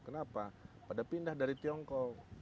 kenapa pada pindah dari tiongkok